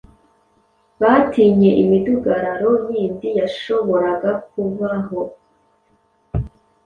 Batinye imidugararo yindi yashoboraga kubaho